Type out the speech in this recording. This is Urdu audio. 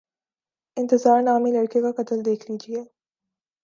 انتظار نامی لڑکے کا قتل دیکھ لیجیے۔